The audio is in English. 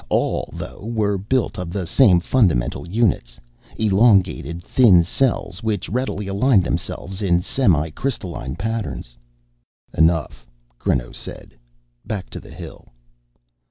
All, though, were built of the same fundamental units: elongated, thin cells which readily aligned themselves in semi crystalline patterns. "Enough," Creno said, "back to the hill."